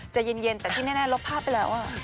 ใจเย็นแต่ที่แน่ลบภาพไปแล้ว